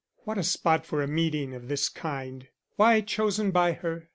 What a spot for a meeting of this kind! Why chosen by her?